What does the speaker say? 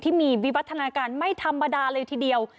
วิวัฒนาการไม่ธรรมดาเลยทีเดียว